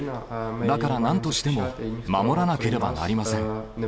だからなんとしても守らなければなりません。